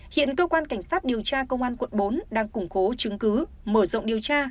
hiện cơ quan cảnh sát điều tra công an quận bốn đang củng cố chứng cứ mở rộng điều tra